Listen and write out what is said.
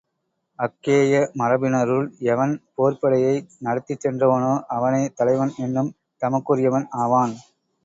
அக்கேய மரபினருள் எவன் போர்ப் படையை நடத்திச் சென்றவனோ, அவனே தலைவன் என்னும் தகுதிக்குரியவன் ஆவான்.